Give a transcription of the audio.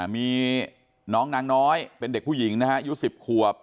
มีน้องนางน้อยเป็นเด็กผู้หญิงนะฮะอายุ๑๐ขวบ